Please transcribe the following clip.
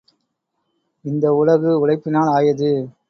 இந்த உலகு உழைப்பினால் ஆயது.